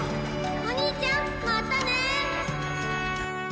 お兄ちゃんまたね！